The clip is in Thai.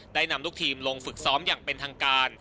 นำลูกทีมลงฝึกซ้อมอย่างเป็นทางการ